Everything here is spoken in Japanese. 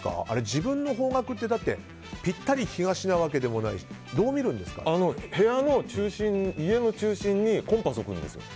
自分の方角って、だってぴったり東なわけでもないし部屋の中心、家の中心にコンパスを置くんですよ。